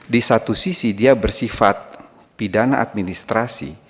di satu sisi dia bersifat pidana administrasi